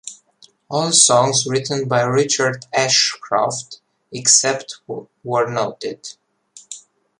All songs written by Richard Ashcroft, except where noted.